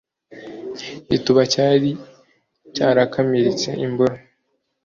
igituba cyari cyarakamiritse imboro